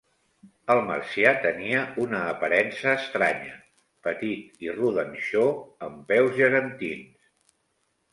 El marcià tenia una aparença estranya: petit i rodanxó, amb peus gegantins.